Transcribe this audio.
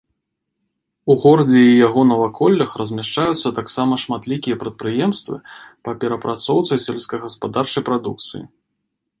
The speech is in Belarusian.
У горадзе і яго наваколлях размяшчаюцца таксама шматлікія прадпрыемствы па перапрацоўцы сельскагаспадарчай прадукцыі.